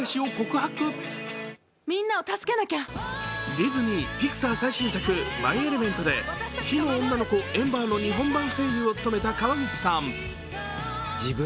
ディズニー＆ピクサー最新作「マイ・エレメント」で火の女の子、エンバーの日本版声優を務めた川口さん。